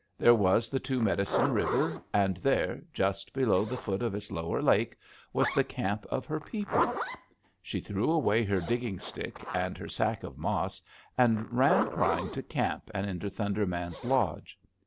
There was the Two Medicine River, and there, just below the foot of its lower lake, was the camp of her people! She threw away her digging stick, and her sack of mas, and ran crying to camp and into Thunder Man's lodge.